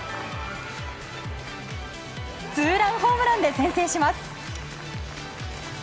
ツーランホームランで先制します。